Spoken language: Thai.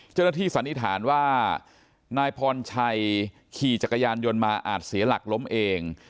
สันนิษฐานว่านายพรชัยขี่จักรยานยนต์มาอาจเสียหลักล้มเอง